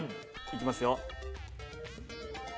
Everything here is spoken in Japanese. いきますよ。